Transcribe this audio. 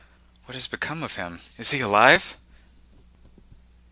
What has become of him? Is he alive?...